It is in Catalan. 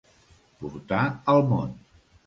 Portar al món.